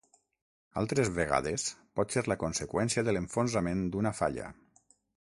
Altres vegades, pot ser la conseqüència de l'enfonsament d'una falla.